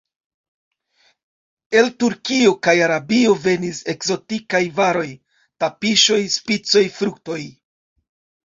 El Turkio kaj Arabio venis ekzotikaj varoj: tapiŝoj, spicoj, fruktoj.